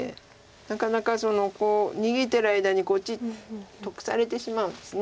なかなか逃げてる間にこっち得されてしまうんです。